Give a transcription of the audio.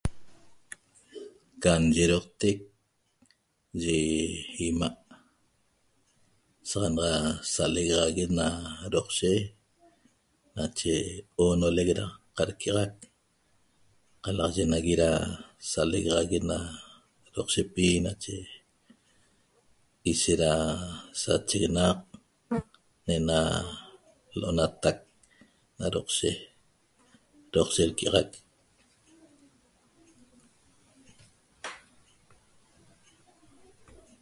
Cam llexocte ye imaa' saxanaxa salaxaguet na doqshec nache onoleq na caquiaxaq calaxaye naxa da salaxaguet na doqshecpi nache ishet sa chiguinac ena lenteq na doqshec Doqshec l'quiaxaq